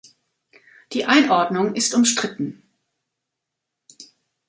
Die Einordnung ist umstritten.